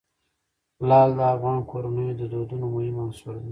لعل د افغان کورنیو د دودونو مهم عنصر دی.